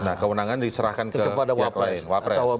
nah kewenangan diserahkan kepada wapres